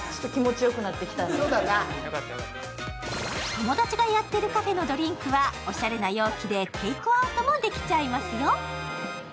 友達がやってるカフェのドリンクはおしゃれな容器でテイクアウトもできちゃいますよ。